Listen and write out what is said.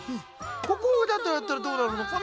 ここだったらどうなるのかな？